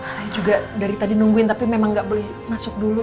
saya juga dari tadi nungguin tapi memang nggak boleh masuk dulu